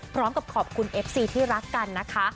พร้อมกับขอบคุณเอฟซีที่รักกันนะคะ